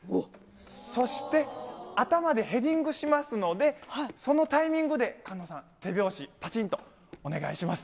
そして、頭でヘディングしますので、そのタイミングで、菅野さん、手拍子、ぱちんとお願いします。